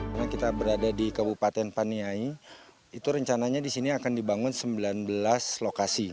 karena kita berada di kabupaten paniai itu rencananya di sini akan dibangun sembilan belas lokasi